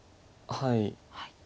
はい。